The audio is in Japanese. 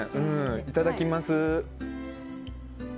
いただきます。